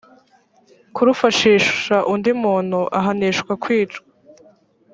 kurufashisha undi muntu ahanishwa kwicwa